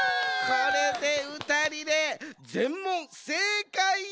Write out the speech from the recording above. これで「歌リレー」ぜんもんせいかいや！